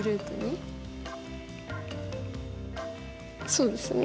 そうですよね？